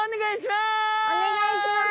お願いします！